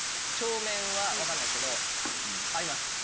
帳面はわかんないですけどあります。